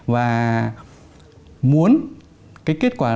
và muốn cái kết quả